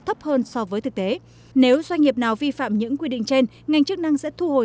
thấp hơn so với thực tế nếu doanh nghiệp nào vi phạm những quy định trên ngành chức năng sẽ thu hồi